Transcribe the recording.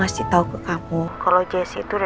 mas kita dimas fingersade